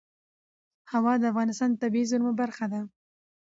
هوا د افغانستان د طبیعي زیرمو برخه ده.